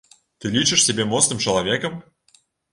Ты лічыш сябе моцным чалавекам?